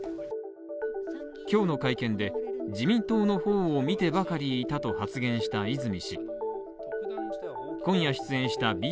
今日の会見で、自民党の方を見てばかりいたと発言した泉氏。